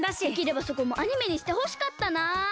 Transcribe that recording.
できればそこもアニメにしてほしかったな。